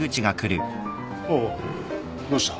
おおどうした。